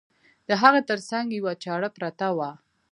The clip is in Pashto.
د هغه تر څنګ یوه چاړه پرته وه.